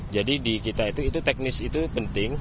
jadi di kita itu teknis itu penting